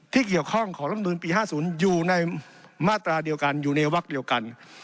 ที่เกี่ยวข้องของลำนูลปี๕๐อยู่ในมาตราเดียวกันอยู่ในวักเดียวกัน